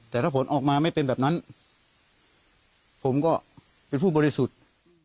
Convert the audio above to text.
แต่ถ้าผลออกมาไม่เป็นแบบนั้นผมก็เป็นผู้บริสุทธิ์